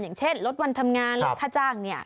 อย่างเช่นลดวันทำงานลดค่าจ้างเนี่ย